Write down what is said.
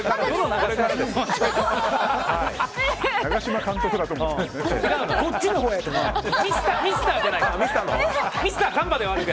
長嶋監督だと思ってる？